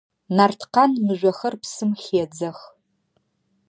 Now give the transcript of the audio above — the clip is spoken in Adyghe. Нарткъан мыжъохэр псым хедзэх.